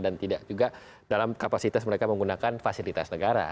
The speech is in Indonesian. dan tidak juga dalam kapasitas mereka menggunakan fasilitas negara